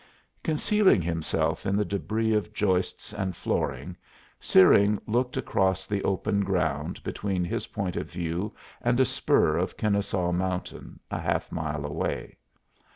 Concealing himself in the debris of joists and flooring Searing looked across the open ground between his point of view and a spur of Kennesaw Mountain, a half mile away.